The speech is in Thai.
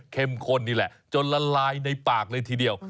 ข้นนี่แหละจนละลายในปากเลยทีเดียว